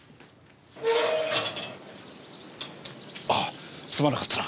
あぁすまなかったな。